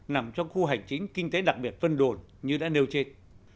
nằm trong khu hành chính kinh tế đặc biệt vân đồn như đã nêu trên